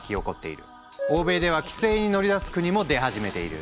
欧米では規制に乗り出す国も出始めている。